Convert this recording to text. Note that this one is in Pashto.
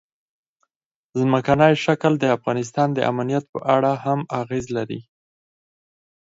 ځمکنی شکل د افغانستان د امنیت په اړه هم اغېز لري.